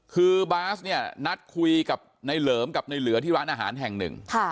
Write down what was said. คือบาสเนี่ยนัดคุยกับในเหลิมกับในเหลือที่ร้านอาหารแห่งหนึ่ง